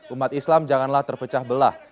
umat islam janganlah terpecah belah